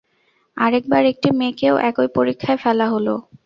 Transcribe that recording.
আরেকবার একটি মেয়েকেও একই পরীক্ষায় ফেলা হলো।